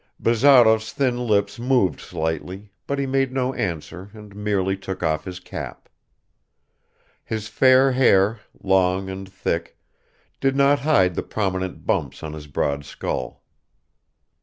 Bazarov's thin lips moved slightly, but he made no answer and merely took off his cap. His fair hair, long and thick, did not hide the prominent bumps on his broad skull.